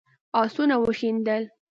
آسونه وشڼېدل.